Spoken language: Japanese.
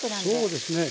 そうですね。